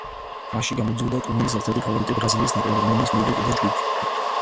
მასში გამოდიოდა ტურნირის ერთ-ერთი ფავორიტი ბრაზილიის ნაკრები, რომელმაც მოიგო კიდეც ჯგუფი.